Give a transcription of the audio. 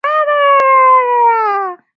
钝苞一枝黄花是菊科一枝黄花属的植物。